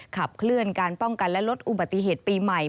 ขับเคลื่อนการป้องกันและลดอุบัติเหตุปีใหม่